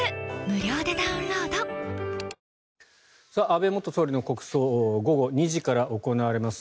安倍元総理の国葬午後２時から行われます。